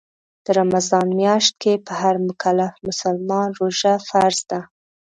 د رمضان میاشت کې په هر مکلف مسلمان روژه فرض ده